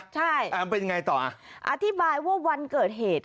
ใช่แอมเป็นยังไงต่ออ่ะอธิบายว่าวันเกิดเหตุ